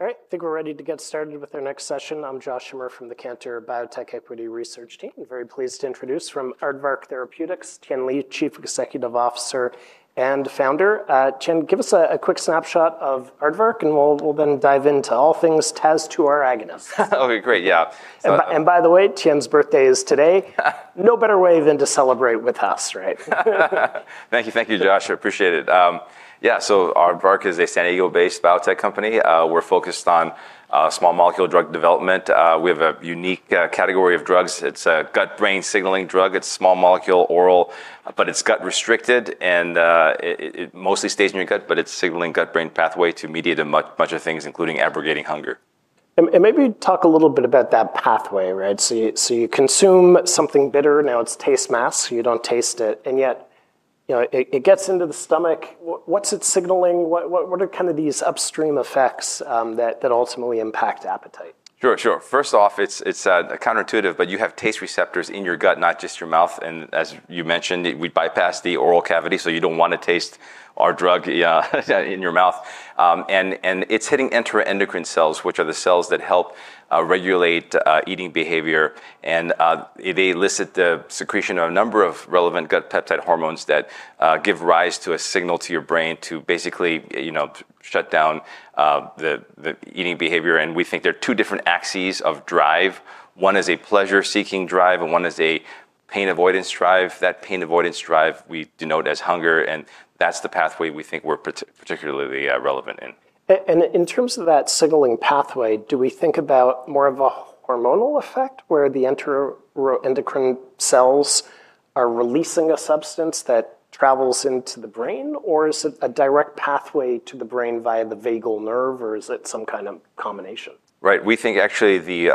All right, I think we're ready to get started with our next session. I'm Josh Schimmer from the Cantor Biotech Equity Research Team. Very pleased to introduce from Aardvark Therapeutics, Tien Lee, Chief Executive Officer and Founder. Tien, give us a quick snapshot of Aardvark, and we'll then dive into all things TAS2R agonist. OK, great. Yeah. And by the way, Tien's birthday is today. No better way than to celebrate with us, right? Thank you. Thank you, Josh. I appreciate it. Yeah, so Aardvark is a San Diego-based biotech company. We're focused on small molecule drug development. We have a unique category of drugs. It's a gut-brain signaling drug. It's small molecule, oral, but it's gut-restricted, and it mostly stays in your gut, but it's signaling gut-brain pathway to mediate a bunch of things, including abrogating hunger. And maybe talk a little bit about that pathway, right? So you consume something bitter. Now it's tasteless. You don't taste it. And yet it gets into the stomach. What's it signaling? What are kind of these upstream effects that ultimately impact appetite? Sure, sure. First off, it's counterintuitive, but you have taste receptors in your gut, not just your mouth. And as you mentioned, we bypass the oral cavity, so you don't want to taste our drug in your mouth. And it's hitting enteroendocrine cells, which are the cells that help regulate eating behavior. And they elicit the secretion of a number of relevant gut peptide hormones that give rise to a signal to your brain to basically shut down the eating behavior. And we think there are two different axes of drive. One is a pleasure-seeking drive, and one is a pain-avoidance drive. That pain-avoidance drive, we denote as hunger. And that's the pathway we think we're particularly relevant in. In terms of that signaling pathway, do we think about more of a hormonal effect where the enteroendocrine cells are releasing a substance that travels into the brain? Or is it a direct pathway to the brain via the vagus nerve? Or is it some kind of combination? Right. We think actually the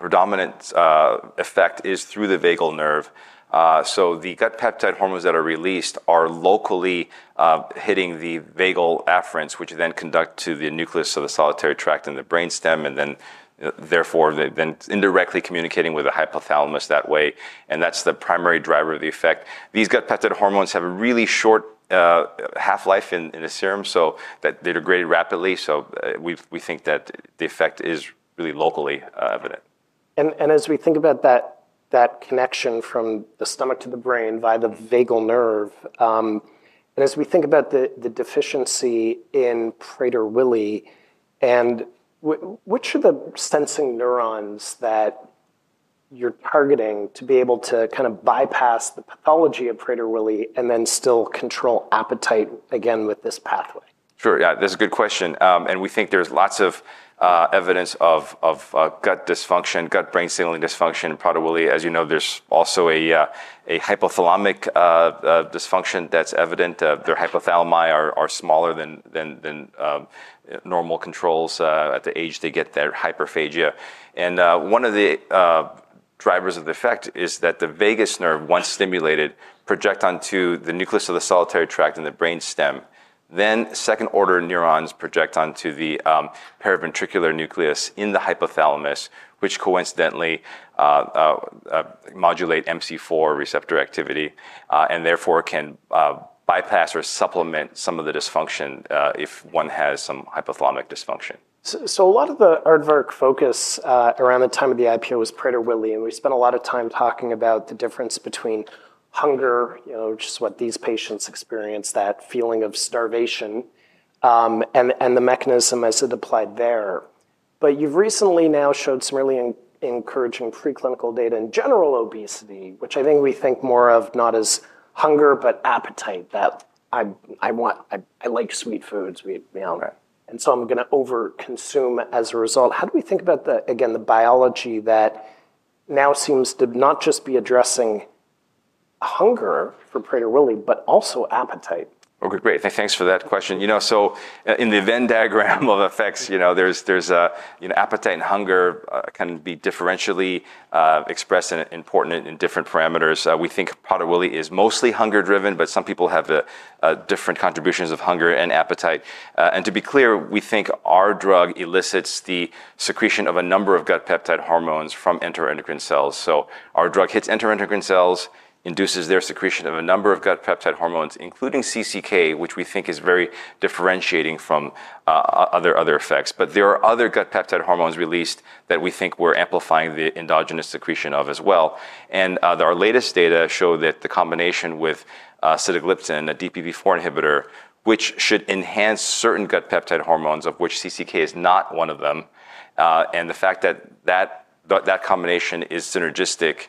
predominant effect is through the vagus nerve. So the gut peptide hormones that are released are locally hitting the vagal afferents, which then conduct to the nucleus of the solitary tract in the brainstem. And then therefore, they're then indirectly communicating with the hypothalamus that way. And that's the primary driver of the effect. These gut peptide hormones have a really short half-life in the serum, so they degrade rapidly. So we think that the effect is really locally evident. As we think about that connection from the stomach to the brain via the vagus nerve, and as we think about the deficiency in Prader-Willi, which are the sensing neurons that you're targeting to be able to kind of bypass the pathology of Prader-Willi and then still control appetite again with this pathway? Sure. Yeah, that's a good question. And we think there's lots of evidence of gut dysfunction, gut-brain signaling dysfunction, Prader-Willi. As you know, there's also a hypothalamic dysfunction that's evident. Their hypothalamus are smaller than normal controls at the age they get their hyperphagia. And one of the drivers of the effect is that the vagus nerve, once stimulated, projects onto the nucleus of the solitary tract in the brainstem. Then second-order neurons project onto the paraventricular nucleus in the hypothalamus, which coincidentally modulate MC4 receptor activity and therefore can bypass or supplement some of the dysfunction if one has some hypothalamic dysfunction. A lot of the Aardvark focus around the time of the IPO was Prader-Willi. We spent a lot of time talking about the difference between hunger, just what these patients experience, that feeling of starvation, and the mechanism as it applied there. But you've recently now showed some really encouraging preclinical data in general obesity, which I think we think more of not as hunger, but appetite, that I like sweet foods, and so I'm going to overconsume as a result. How do we think about, again, the biology that now seems to not just be addressing hunger for Prader-Willi, but also appetite? OK, great. Thanks for that question. So in the Venn diagram of effects, there's appetite and hunger can be differentially expressed and important in different parameters. We think Prader-Willi is mostly hunger-driven, but some people have different contributions of hunger and appetite. And to be clear, we think our drug elicits the secretion of a number of gut peptide hormones from enteroendocrine cells. So our drug hits enteroendocrine cells, induces their secretion of a number of gut peptide hormones, including CCK, which we think is very differentiating from other effects. But there are other gut peptide hormones released that we think we're amplifying the endogenous secretion of as well. And our latest data show that the combination with sitagliptin, a DPP-4 inhibitor, which should enhance certain gut peptide hormones, of which CCK is not one of them. The fact that that combination is synergistic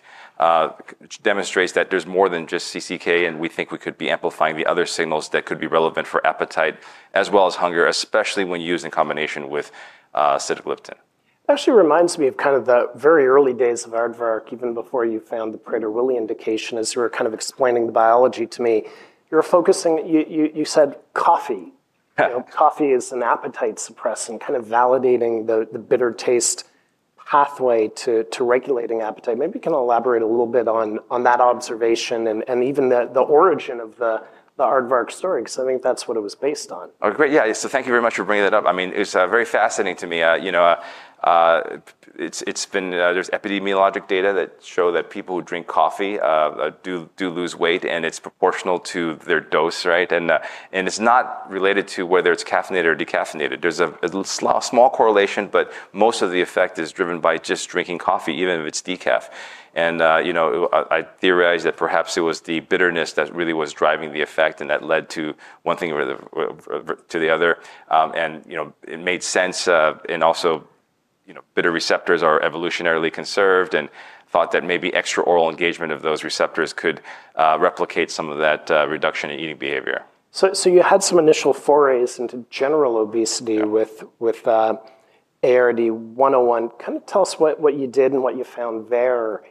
demonstrates that there's more than just CCK. We think we could be amplifying the other signals that could be relevant for appetite as well as hunger, especially when used in combination with sitagliptin. It actually reminds me of kind of the very early days of Aardvark, even before you found the Prader-Willi indication, as you were kind of explaining the biology to me. You said coffee. Coffee is an appetite suppressant, kind of validating the bitter taste pathway to regulating appetite. Maybe you can elaborate a little bit on that observation and even the origin of the Aardvark story, because I think that's what it was based on. Oh, great. Yeah, so thank you very much for bringing that up. I mean, it's very fascinating to me. There's epidemiologic data that show that people who drink coffee do lose weight, and it's proportional to their dose, right? And it's not related to whether it's caffeinated or decaffeinated. There's a small correlation, but most of the effect is driven by just drinking coffee, even if it's decaf. And I theorize that perhaps it was the bitterness that really was driving the effect, and that led to one thing to the other. And it made sense. And also, bitter receptors are evolutionarily conserved, and thought that maybe extra oral engagement of those receptors could replicate some of that reduction in eating behavior. So you had some initial forays into general obesity with ARD-101. Kind of tell us what you did and what you found there,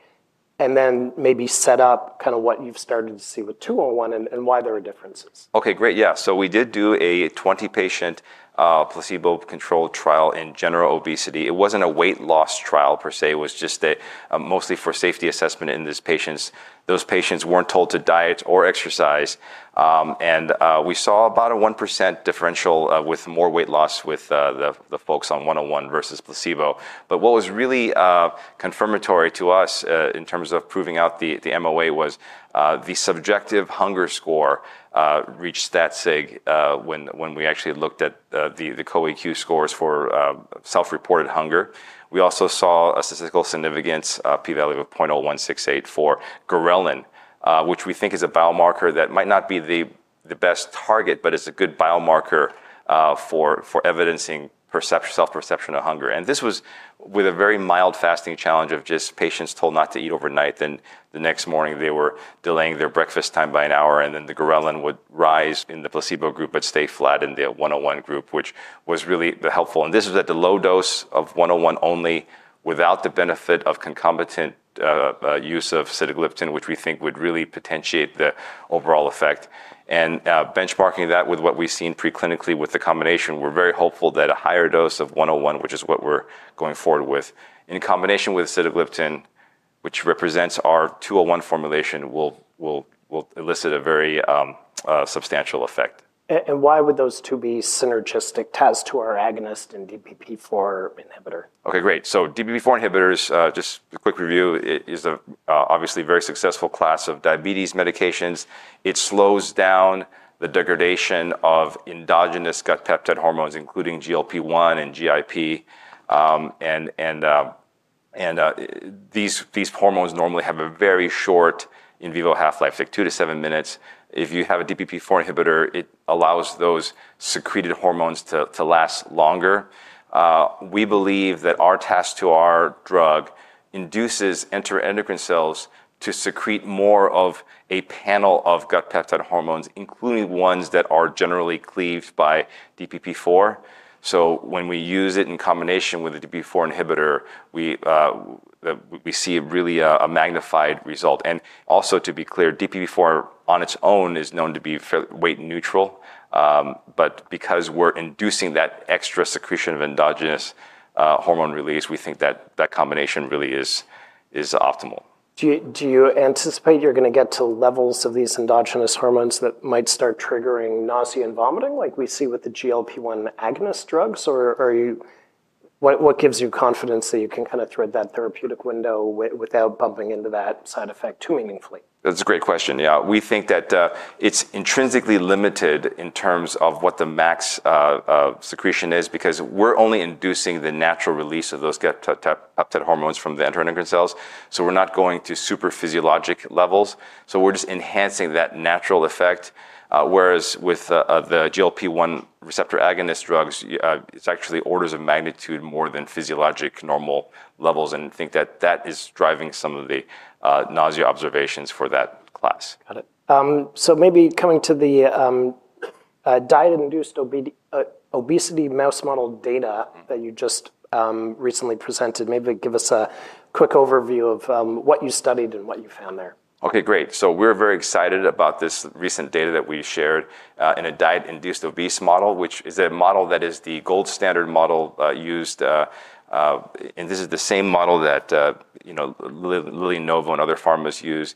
and then maybe set up kind of what you've started to see with ARD-201 and why there are differences. OK, great. Yeah, so we did do a 20-patient placebo-controlled trial in general obesity. It wasn't a weight loss trial per se. It was just mostly for safety assessment in these patients. Those patients weren't told to diet or exercise, and we saw about a 1% differential with more weight loss with the folks on ARD-101 versus placebo, but what was really confirmatory to us in terms of proving out the MOA was the subjective hunger score reached that sig when we actually looked at the CoEQ scores for self-reported hunger. We also saw a statistical significance p-value of 0.0168 for ghrelin, which we think is a biomarker that might not be the best target, but it's a good biomarker for evidencing self-perception of hunger, and this was with a very mild fasting challenge of just patients told not to eat overnight. Then the next morning, they were delaying their breakfast time by an hour. And then the ghrelin would rise in the placebo group but stay flat in the ARD-101 group, which was really helpful. And this was at the low dose of ARD-101 only without the benefit of concomitant use of sitagliptin, which we think would really potentiate the overall effect. And benchmarking that with what we've seen preclinically with the combination, we're very hopeful that a higher dose of ARD-101, which is what we're going forward with, in combination with sitagliptin, which represents our ARD-201 formulation, will elicit a very substantial effect. Why would those two be synergistic TAS2R agonist and DPP-4 inhibitor? OK, great, so DPP-4 inhibitors, just a quick review, is obviously a very successful class of diabetes medications. It slows down the degradation of endogenous gut peptide hormones, including GLP-1 and GIP, and these hormones normally have a very short in vivo half-life, like two to seven minutes. If you have a DPP-4 inhibitor, it allows those secreted hormones to last longer. We believe that our TAS2R drug induces enteroendocrine cells to secrete more of a panel of gut peptide hormones, including ones that are generally cleaved by DPP-4, so when we use it in combination with a DPP-4 inhibitor, we see really a magnified result, and also, to be clear, DPP-4 on its own is known to be weight neutral, but because we're inducing that extra secretion of endogenous hormone release, we think that that combination really is optimal. Do you anticipate you're going to get to levels of these endogenous hormones that might start triggering nausea and vomiting like we see with the GLP-1 agonist drugs? Or what gives you confidence that you can kind of thread that therapeutic window without bumping into that side effect too meaningfully? That's a great question. Yeah, we think that it's intrinsically limited in terms of what the max secretion is, because we're only inducing the natural release of those gut peptide hormones from the enteroendocrine cells. So we're not going to super physiologic levels. So we're just enhancing that natural effect. Whereas with the GLP-1 receptor agonist drugs, it's actually orders of magnitude more than physiologic normal levels. And I think that that is driving some of the nausea observations for that class. Got it. So maybe coming to the diet-induced obesity mouse model data that you just recently presented, maybe give us a quick overview of what you studied and what you found there. OK, great. We're very excited about this recent data that we shared in a diet-induced obesity model, which is a model that is the gold standard model used. This is the same model that Lilly, Novo and other pharmas use.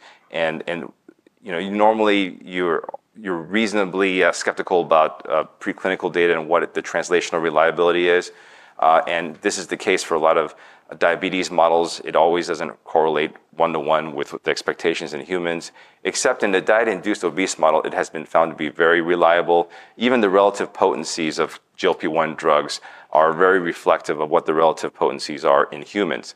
Normally, you're reasonably skeptical about preclinical data and what the translational reliability is. This is the case for a lot of diabetes models. It always doesn't correlate one-to-one with the expectations in humans. Except in the diet-induced obesity model, it has been found to be very reliable. Even the relative potencies of GLP-1 drugs are very reflective of what the relative potencies are in humans.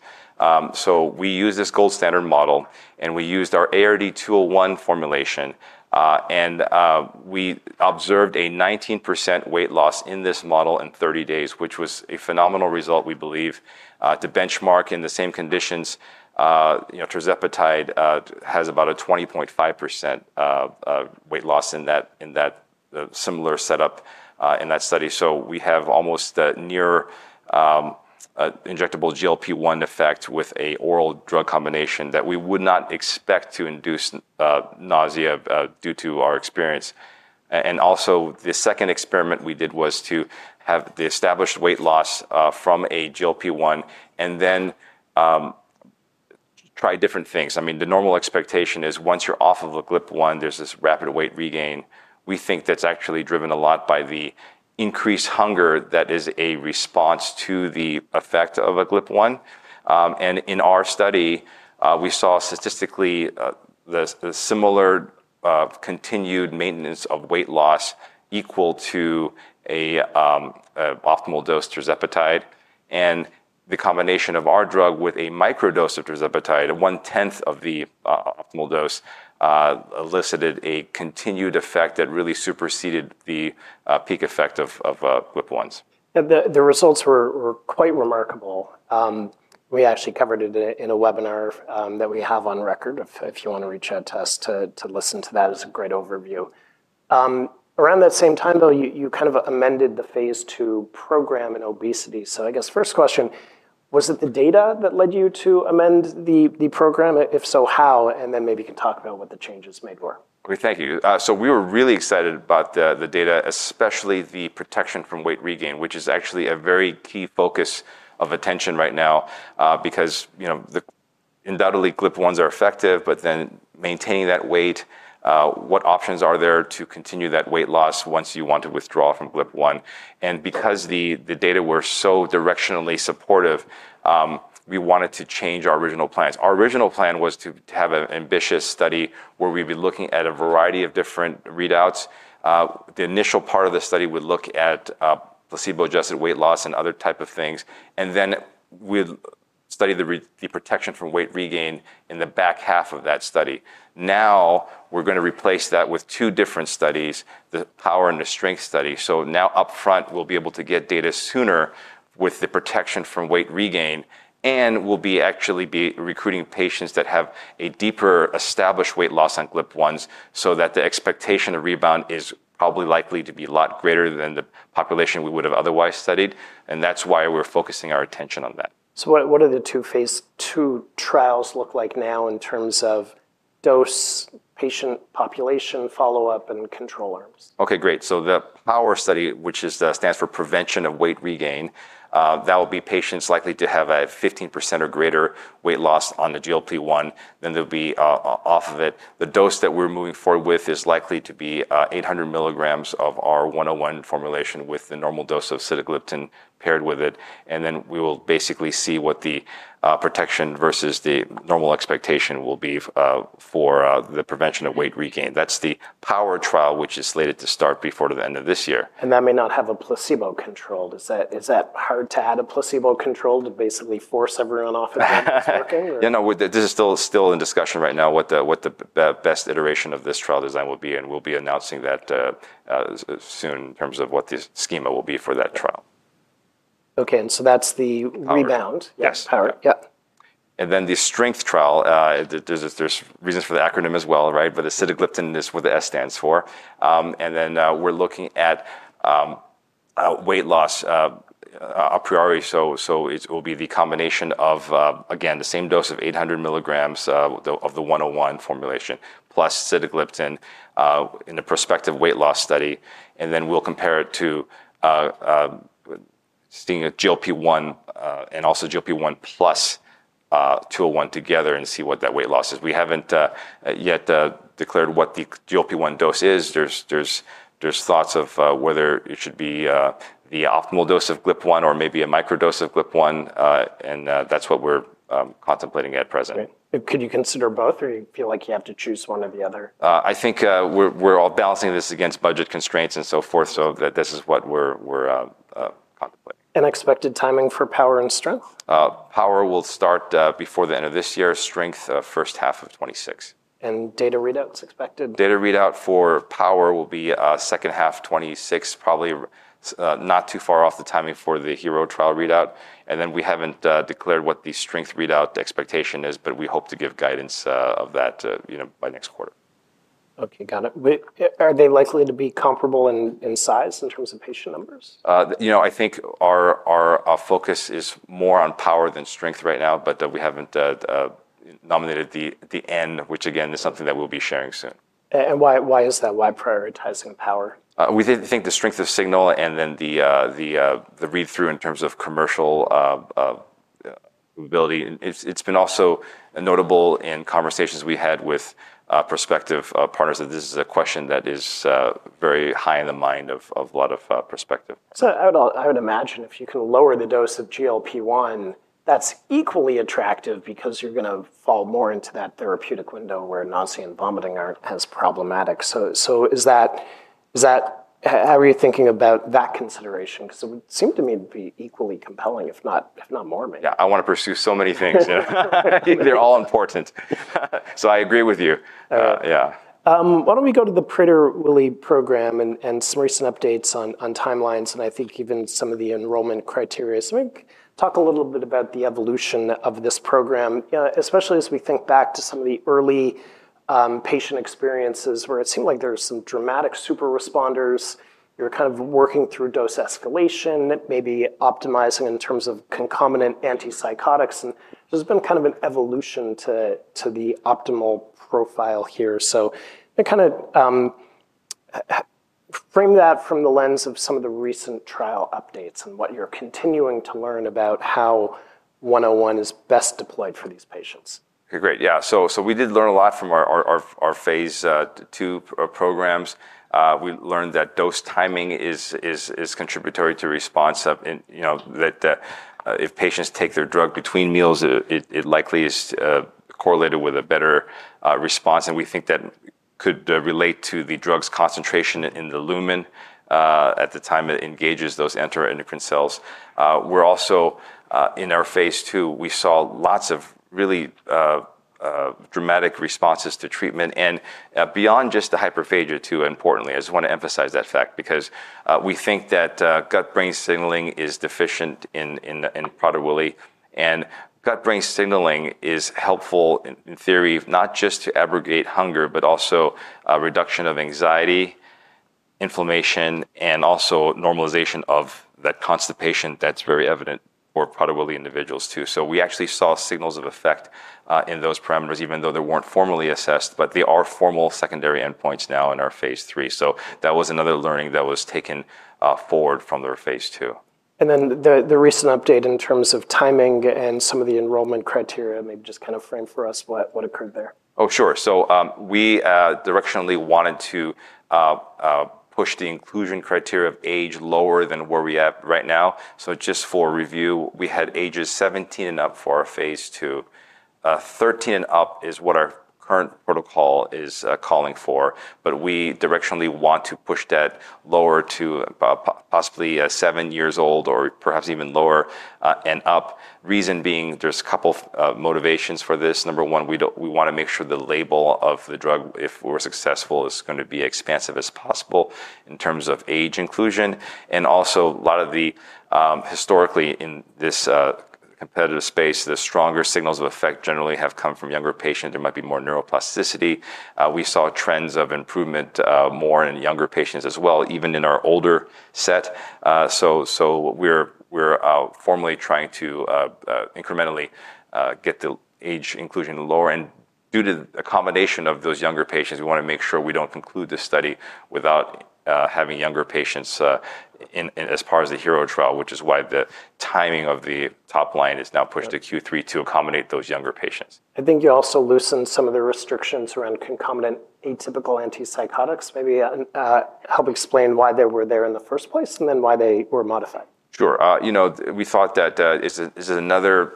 We use this gold standard model. We used our ARD-201 formulation. We observed a 19% weight loss in this model in 30 days, which was a phenomenal result, we believe. To benchmark in the same conditions, tirzepatide has about a 20.5% weight loss in that similar setup in that study, so we have almost a near injectable GLP-1 effect with an oral drug combination that we would not expect to induce nausea due to our experience, and also, the second experiment we did was to have the established weight loss from a GLP-1 and then try different things. I mean, the normal expectation is once you're off of a GLP-1, there's this rapid weight regain. We think that's actually driven a lot by the increased hunger that is a response to the effect of a GLP-1, and in our study, we saw statistically the similar continued maintenance of weight loss equal to an optimal dose of tirzepatide. The combination of our drug with a micro dose of tirzepatide, 1/10 of the optimal dose, elicited a continued effect that really superseded the peak effect of GLP-1s. The results were quite remarkable. We actually covered it in a webinar that we have on record. If you want to reach out to us to listen to that, it's a great overview. Around that same time, though, you kind of amended the phase two program in obesity, so I guess first question: was it the data that led you to amend the program? If so, how, and then maybe you can talk about what the changes made were. OK, thank you. So we were really excited about the data, especially the protection from weight regain, which is actually a very key focus of attention right now, because undoubtedly GLP-1s are effective. But then maintaining that weight, what options are there to continue that weight loss once you want to withdraw from GLP-1? And because the data were so directionally supportive, we wanted to change our original plans. Our original plan was to have an ambitious study where we'd be looking at a variety of different readouts. The initial part of the study would look at placebo-adjusted weight loss and other types of things. And then we'd study the protection from weight regain in the back half of that study. Now we're going to replace that with two different studies, the POWER and the STRENGTH study. So now upfront, we'll be able to get data sooner with the protection from weight regain. And we'll be actually recruiting patients that have a deeper established weight loss on GLP-1s so that the expectation of rebound is probably likely to be a lot greater than the population we would have otherwise studied. And that's why we're focusing our attention on that. What do the two phase two trials look like now in terms of dose, patient population, follow-up, and control arms? OK, great. So the POWER study, which stands for prevention of weight regain, that will be patients likely to have a 15% or greater weight loss on the GLP-1 than they'll be off of it. The dose that we're moving forward with is likely to be 800 milligrams of our ARD-101 formulation with the normal dose of sitagliptin paired with it. And then we will basically see what the protection versus the normal expectation will be for the prevention of weight regain. That's the POWER trial, which is slated to start before the end of this year. That may not have a placebo control. Is that hard to add a placebo control to basically force everyone off of it? Yeah, no, this is still in discussion right now, what the best iteration of this trial design will be. And we'll be announcing that soon in terms of what the schema will be for that trial. OK, and so that's the rebound. Yes. POWER, yep. And then the STRENGTH trial, there's reasons for the acronym as well, right? But sitagliptin is what the S stands for. And then we're looking at weight loss a priori. So it will be the combination of, again, the same dose of 800 milligrams of the ARD-101 formulation plus sitagliptin in a prospective weight loss study. And then we'll compare it to semaglutide, a GLP-1, and also GLP-1 plus ARD-201 together and see what that weight loss is. We haven't yet declared what the GLP-1 dose is. There's thoughts of whether it should be the optimal dose of GLP-1 or maybe a micro dose of GLP-1. And that's what we're contemplating at present. Could you consider both, or do you feel like you have to choose one or the other? I think we're all balancing this against budget constraints and so forth, so this is what we're contemplating. Expected timing for POWER and STRENGTH? POWER will start before the end of this year. STRENGTH, first half of 2026. Data readouts expected? Data readout for POWER will be second half 2026, probably not too far off the timing for the HERO trial readout. Then we haven't declared what the STRENGTH readout expectation is, but we hope to give guidance of that by next quarter. OK, got it. Are they likely to be comparable in size in terms of patient numbers? You know, I think our focus is more on POWER than STRENGTH right now. But we haven't nominated the IND, which again is something that we'll be sharing soon. Why is that? Why prioritizing POWER? We think the strength of signal and then the read-through in terms of commercial ability. It's been also notable in conversations we had with prospective partners that this is a question that is very high in the mind of a lot of prospective. So I would imagine if you can lower the dose of GLP-1, that's equally attractive because you're going to fall more into that therapeutic window where nausea and vomiting are as problematic. So how are you thinking about that consideration? Because it would seem to me to be equally compelling, if not more maybe. Yeah, I want to pursue so many things. They're all important. So I agree with you. Yeah. Why don't we go to the Prader-Willi program and some recent updates on timelines, and I think even some of the enrollment criteria. So maybe talk a little bit about the evolution of this program, especially as we think back to some of the early patient experiences where it seemed like there were some dramatic super responders. You were kind of working through dose escalation, maybe optimizing in terms of concomitant antipsychotics. And there's been kind of an evolution to the optimal profile here. So kind of frame that from the lens of some of the recent trial updates and what you're continuing to learn about how ARD-101 is best deployed for these patients. OK, great. Yeah, so we did learn a lot from our phase II programs. We learned that dose timing is contributory to response. That if patients take their drug between meals, it likely is correlated with a better response, and we think that could relate to the drug's concentration in the lumen at the time it engages those enteroendocrine cells. We're also in our phase II; we saw lots of really dramatic responses to treatment, and beyond just the hyperphagia, too, importantly, I just want to emphasize that fact, because we think that gut-brain signaling is deficient in Prader-Willi. And gut-brain signaling is helpful, in theory, not just to abrogate hunger, but also reduction of anxiety, inflammation, and also normalization of that constipation that's very evident for Prader-Willi individuals too, so we actually saw signals of effect in those parameters, even though they weren't formally assessed. But they are formal secondary endpoints now in our phase III. So that was another learning that was taken forward from their phase II. Then the recent update in terms of timing and some of the enrollment criteria. Maybe just kind of frame for us what occurred there. Oh, sure. So we directionally wanted to push the inclusion criteria of age lower than where we are at right now. So just for review, we had ages 17 and up for our phase two. 13 and up is what our current protocol is calling for. But we directionally want to push that lower to possibly seven years old or perhaps even lower and up. Reason being, there's a couple of motivations for this. Number one, we want to make sure the label of the drug, if we're successful, is going to be as expansive as possible in terms of age inclusion. And also, a lot of the historically in this competitive space, the stronger signals of effect generally have come from younger patients. There might be more neuroplasticity. We saw trends of improvement more in younger patients as well, even in our older set. So, we're formally trying to incrementally get the age inclusion lower. And due to the accommodation of those younger patients, we want to make sure we don't conclude this study without having younger patients as far as the HERO study, which is why the timing of the top line is now pushed to Q3 to accommodate those younger patients. I think you also loosened some of the restrictions around concomitant atypical antipsychotics. Maybe help explain why they were there in the first place and then why they were modified. Sure. You know, we thought that this is another,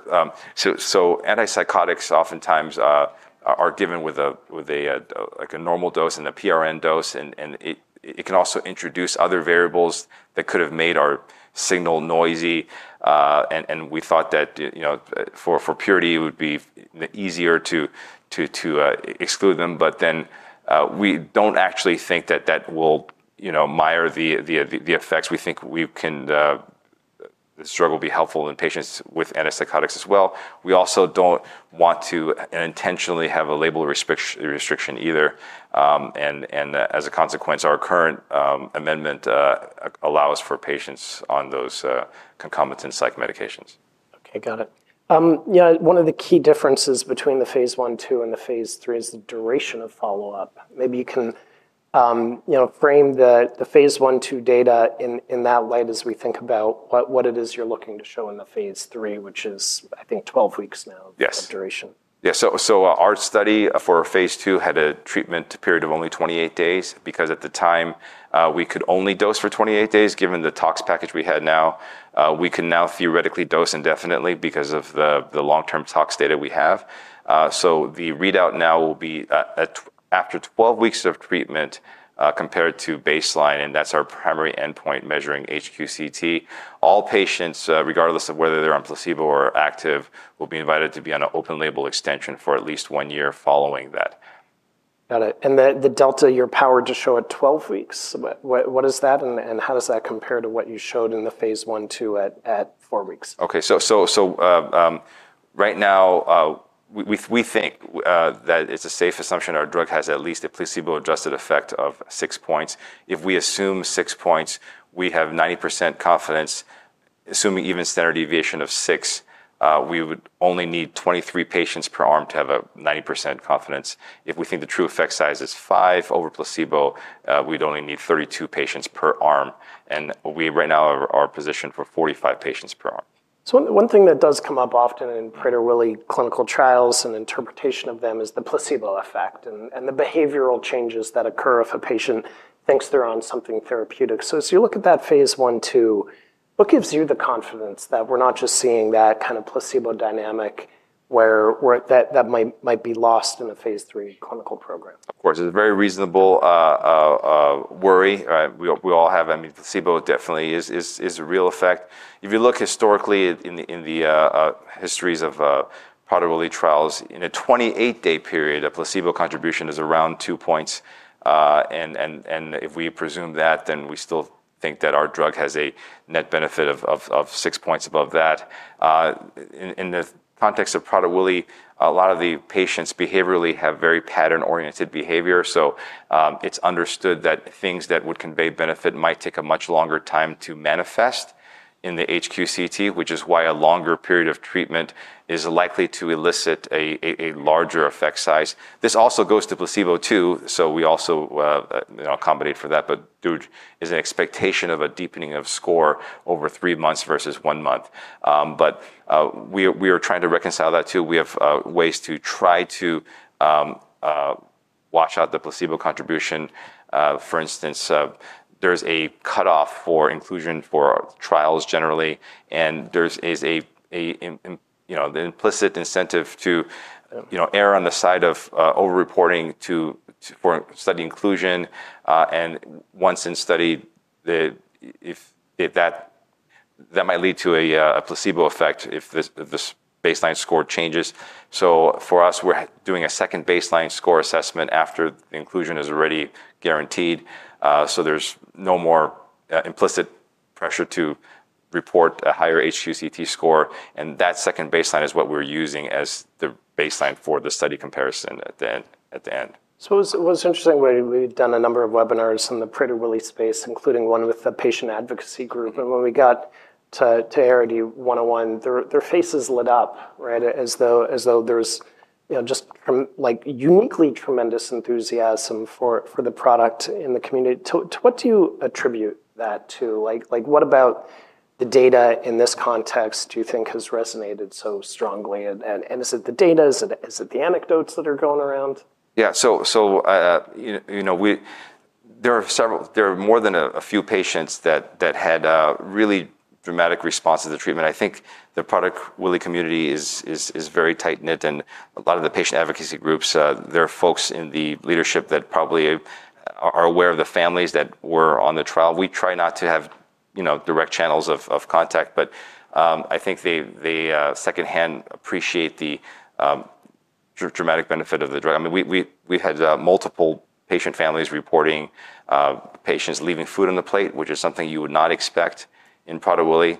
so antipsychotics oftentimes are given with a normal dose and a PRN dose, and it can also introduce other variables that could have made our signal noisy, and we thought that for purity, it would be easier to exclude them, but then we don't actually think that that will mirror the effects. We think the struggle will be helpful in patients with antipsychotics as well. We also don't want to intentionally have a label restriction either, and as a consequence, our current amendment allows for patients on those concomitant psych medications. OK, got it. One of the key differences between the phase I, II, and the phase III is the duration of follow-up. Maybe you can frame the phase I, II data in that light as we think about what it is you're looking to show in the phase III, which is, I think, 12 weeks now of duration. Yes. So our study for phase II had a treatment period of only 28 days. Because at the time, we could only dose for 28 days, given the tox package we had now. We can now theoretically dose indefinitely because of the long-term tox data we have. So the readout now will be after 12 weeks of treatment compared to baseline. And that's our primary endpoint measuring HQ-CT. All patients, regardless of whether they're on placebo or active, will be invited to be on an open label extension for at least one year following that. Got it. And the delta you're powered to show at 12 weeks, what is that? And how does that compare to what you showed in the phase I, II at four weeks? OK, so right now, we think that it's a safe assumption our drug has at least a placebo-adjusted effect of six points. If we assume six points, we have 90% confidence. Assuming even standard deviation of six, we would only need 23 patients per arm to have a 90% confidence. If we think the true effect size is five over placebo, we'd only need 32 patients per arm, and we right now are positioned for 45 patients per arm. One thing that does come up often in Prader-Willi clinical trials and interpretation of them is the placebo effect and the behavioral changes that occur if a patient thinks they're on something therapeutic. As you look at that phase I/II, what gives you the confidence that we're not just seeing that kind of placebo dynamic that might be lost in a phase III clinical program? Of course, it's a very reasonable worry. We all have placebo. It definitely is a real effect. If you look historically in the histories of Prader-Willi trials, in a 28-day period, a placebo contribution is around two points. And if we presume that, then we still think that our drug has a net benefit of six points above that. In the context of Prader-Willi, a lot of the patients behaviorally have very pattern-oriented behavior. So it's understood that things that would convey benefit might take a much longer time to manifest in the HQ-CT, which is why a longer period of treatment is likely to elicit a larger effect size. This also goes to placebo, too. So we also accommodate for that. But there is an expectation of a deepening of score over three months versus one month. But we are trying to reconcile that, too. We have ways to try to watch out the placebo contribution. For instance, there is a cutoff for inclusion for trials generally, and there is an implicit incentive to err on the side of over-reporting for study inclusion, and once in study, that might lead to a placebo effect if this baseline score changes, so for us, we're doing a second baseline score assessment after the inclusion is already guaranteed, so there's no more implicit pressure to report a higher HQ-CT score, and that second baseline is what we're using as the baseline for the study comparison at the end. So it was interesting where we've done a number of webinars in the Prader-Willi space, including one with the patient advocacy group. And when we got to ARD-101, their faces lit up, right, as though there was just uniquely tremendous enthusiasm for the product in the community. To what do you attribute that to? What about the data in this context do you think has resonated so strongly? And is it the data? Is it the anecdotes that are going around? Yeah. So there are more than a few patients that had really dramatic responses to treatment. I think the Prader-Willi community is very tight-knit. And a lot of the patient advocacy groups, there are folks in the leadership that probably are aware of the families that were on the trial. We try not to have direct channels of contact. But I think they secondhand appreciate the dramatic benefit of the drug. I mean, we've had multiple patient families reporting patients leaving food on the plate, which is something you would not expect in Prader-Willi.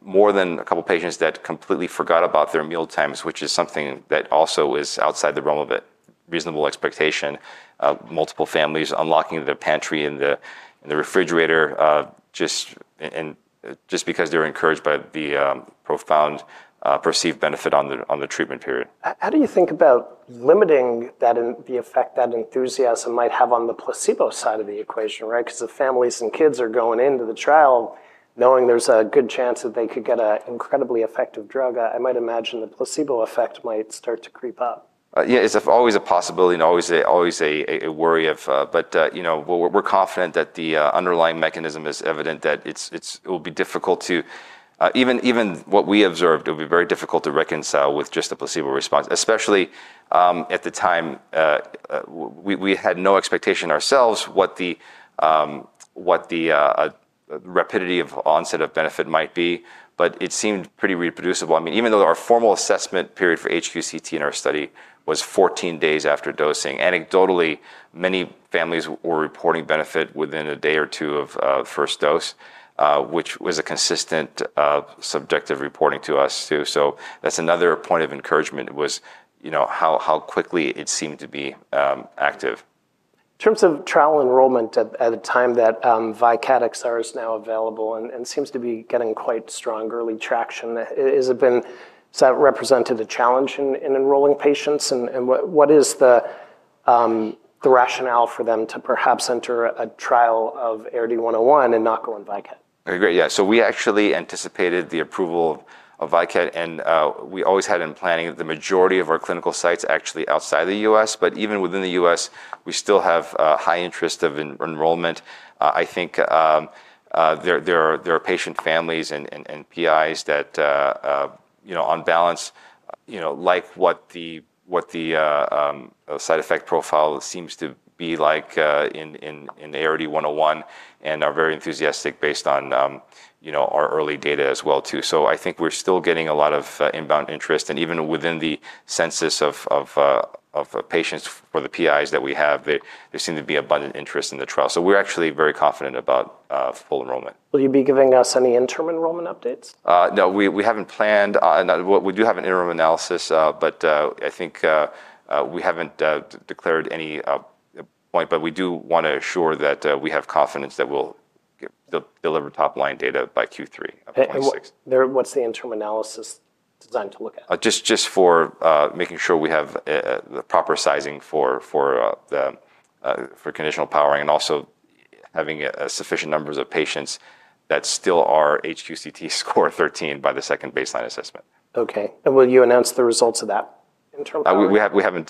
More than a couple of patients that completely forgot about their meal times, which is something that also is outside the realm of reasonable expectation. Multiple families unlocking the pantry and the refrigerator just because they're encouraged by the profound perceived benefit on the treatment period. How do you think about limiting the effect that enthusiasm might have on the placebo side of the equation, right? Because the families and kids are going into the trial knowing there's a good chance that they could get an incredibly effective drug. I might imagine the placebo effect might start to creep up. Yeah, it's always a possibility and always a worry. But we're confident that the underlying mechanism is evident, that it will be difficult to even what we observed. It would be very difficult to reconcile with just the placebo response, especially at the time. We had no expectation ourselves what the rapidity of onset of benefit might be. But it seemed pretty reproducible. I mean, even though our formal assessment period for HQ-CT in our study was 14 days after dosing, anecdotally, many families were reporting benefit within a day or two of first dose, which was a consistent subjective reporting to us, too. So that's another point of encouragement was how quickly it seemed to be active. In terms of trial enrollment at a time that VYKAT XR is now available and seems to be getting quite strong early traction, has that represented a challenge in enrolling patients? And what is the rationale for them to perhaps enter a trial of ARD-101 and not go on VYKAT? OK, great. Yeah, so we actually anticipated the approval of VYKAT. And we always had in planning the majority of our clinical sites actually outside the U.S. But even within the U.S., we still have high interest of enrollment. I think there are patient families and PIs that, on balance, like what the side effect profile seems to be like in ARD-101 and are very enthusiastic based on our early data as well, too. So I think we're still getting a lot of inbound interest. And even within the census of patients for the PIs that we have, there seemed to be abundant interest in the trial. So we're actually very confident about full enrollment. Will you be giving us any interim enrollment updates? No, we haven't planned. We do have an interim analysis. But I think we haven't declared any point. But we do want to assure that we have confidence that we'll deliver top line data by Q3 of 2026. What's the interim analysis designed to look at? Just for making sure we have the proper sizing for conditional powering and also having sufficient numbers of patients that still are HQ-CT score 13 by the second baseline assessment. OK. And will you announce the results of that interim? We haven't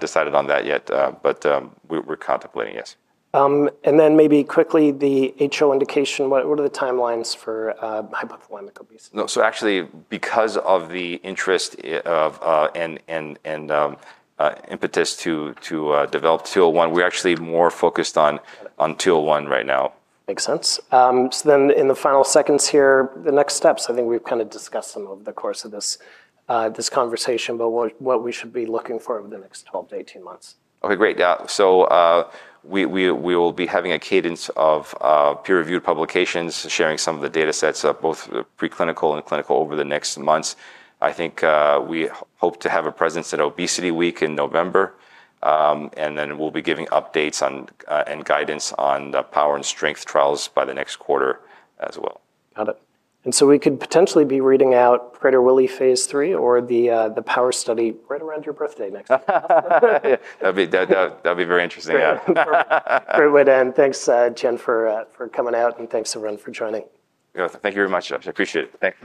decided on that yet. But we're contemplating, yes. And then maybe quickly, the HO indication, what are the timelines for hypothalamic obesity? No, so actually, because of the interest and impetus to develop ARD-101, we're actually more focused on ARD-101 right now. Makes sense. So then in the final seconds here, the next steps, I think we've kind of discussed some of the course of this conversation, but what we should be looking for over the next 12 to 18 months. OK, great. So we will be having a cadence of peer-reviewed publications sharing some of the data sets, both preclinical and clinical, over the next months. I think we hope to have a presence at Obesity Week in November. And then we'll be giving updates and guidance on the POWER and STRENGTH trials by the next quarter as well. Got it, and so we could potentially be reading out Prader-Willi phase III or the POWER study right around your birthday next month. That'd be very interesting, yeah. Great way to end. Thanks, Tien, for coming out, and thanks, everyone, for joining. Thank you very much. I appreciate it.